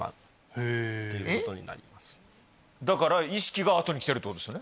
だから意識が後に来てるっていうことですよね。